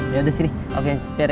yaudah sini oke supir ya